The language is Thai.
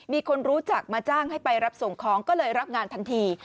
มีคนรู้จักมาจ้างให้ไปรับส่งของก็เลยรับงานทันที